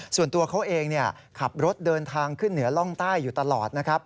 ส่วนตัวเขาเองขับรถเดินทางขึ้นเหนือร่องใต้อยู่ตลอดนะครับ